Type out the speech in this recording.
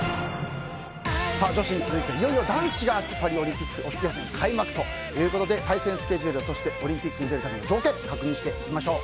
女子に続いていよいよ男子が明日パリオリンピック予選が開幕ということで対戦スケジュールそしてオリンピックに出るための条件を確認していきましょう。